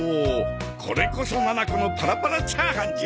これこそななこのパラパラチャーハンじゃ。